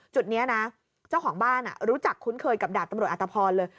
จุดนี้นะเจ้าของบ้านรู้จักคุ้นเคยกับดาบตำรวจอัตภพรเลย